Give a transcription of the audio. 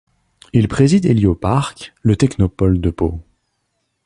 Il préside Hélioparc, le technopôle de Pau.